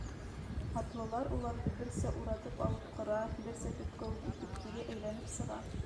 Атлылар уларҙы берсә уратып алып ҡыра, берсә, төпкә үк үтеп, кире әйләнеп сыға.